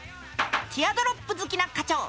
ティアドロップ好きな課長。